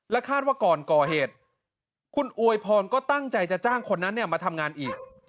คาดว่าก่อนก่อเหตุคุณอวยพรก็ตั้งใจจะจ้างคนนั้นมาทำงานอีก